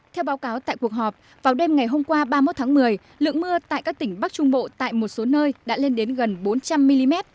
theo báo cáo tại cuộc họp vào đêm ngày hôm qua ba mươi một tháng một mươi lượng mưa tại các tỉnh bắc trung bộ tại một số nơi đã lên đến gần bốn trăm linh mm